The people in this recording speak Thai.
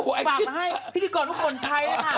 ฝากมาให้พิธีกรทุกคนใช้นะคะ